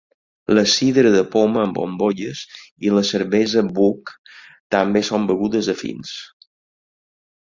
La sidra de poma amb bombolles i la cervesa Bock també són begudes afins.